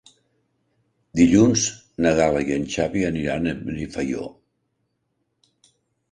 Dilluns na Gal·la i en Xavi aniran a Benifaió.